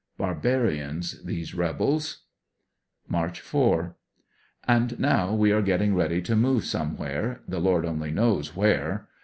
Barbarians these rebs. March 4. — And now we are getting ready to move somewhere, the Lord only knows where.